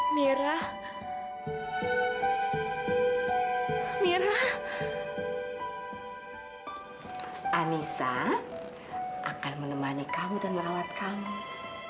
sampai jumpa di video selanjutnya